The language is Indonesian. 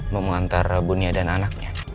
mengantar bunia dan anaknya